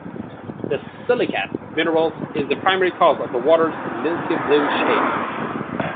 The silicate minerals is the primary cause of that water's milky blue shade.